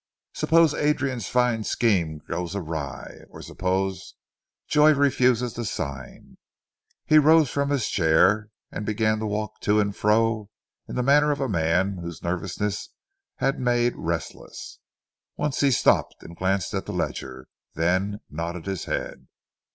"Suppose Adrian's fine scheme goes awry? Or suppose Joy refuses to sign?" He rose from his chair and began to walk to and fro, in the manner of a man whom nervousness has made restless. Once he stopped and glanced at the ledger, then nodded his head.